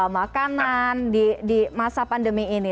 makanan di masa pandemi ini